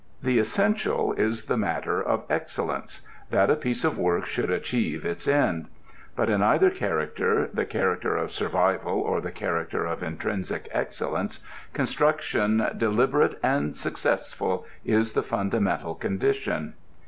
The essential is the matter of excellence: that a piece of work should achieve its end. But in either character, the character of survival or the character of intrinsic excellence, construction deliberate and successful is the fundamental condition.